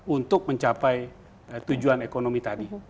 untuk mencapai tujuan ekonomi tadi